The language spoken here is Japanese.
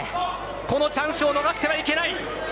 このチャンスを逃してはいけない。